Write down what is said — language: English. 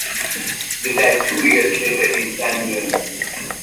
They died two years later in San Remo.